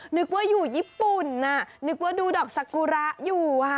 นึกว่าอยู่ญี่ปุ่นนึกว่าดูดอกสกุระอยู่